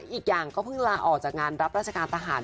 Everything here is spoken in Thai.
อีกอย่างก็เพิ่งลาออกจากงานรับราชการทหาร